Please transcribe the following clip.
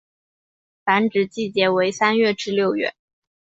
繁殖季节为三月至六月。